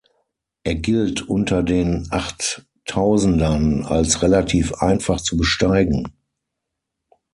Er gilt unter den Achttausendern als relativ einfach zu besteigen.